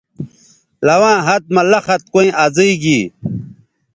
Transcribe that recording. لواں ہَت مہ لخت کویں ازئ گی